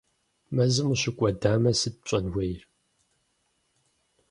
Мэзым ущыкӏуэдамэ, сыт пщӏэн хуейр?